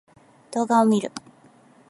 動画を見る